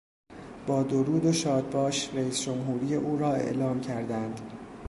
با درود و شادباش رییس جمهوری او را اعلام کردند.